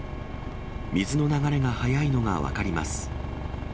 水の流れが速いのが分かります。